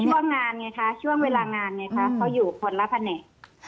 ช่วงเวลางานไงค่ะเขาอยู่คนละภัณฑ์